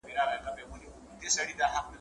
د خرڅ خوراک د برابرولو لپاره ,